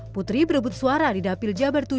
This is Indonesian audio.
putri berebut suara di dapil jabar tujuh